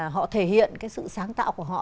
họ thể hiện sự sáng tạo của họ